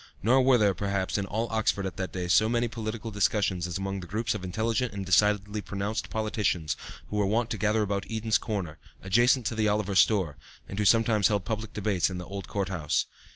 Nor were there, perhaps, in all Oxford at that day so many political discussions as among the groups of intelligent and decidedly pronounced politicians who were wont to gather about Eden's corner, adjacent to the Oliver store, and who sometimes held public debates in the old court house.